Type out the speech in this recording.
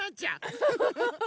フフフフフ。